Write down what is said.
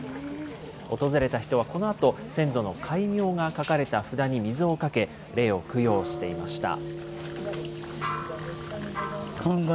訪れた人はこのあと、先祖の戒名が書かれた札に水をかけ、霊を供養していました。